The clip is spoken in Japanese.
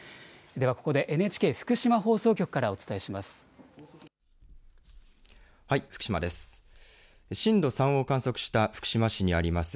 ではここでＮＨＫ福島放送局からお伝えします。